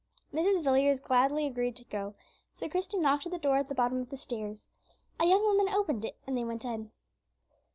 Mrs. Villiers gladly agreed to go; so Christie knocked at the door at the bottom of the stairs. A young woman opened it, and they went in.